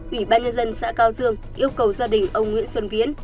ủy ban nhân dân xã cao dương yêu cầu gia đình ông nguyễn xuân viễn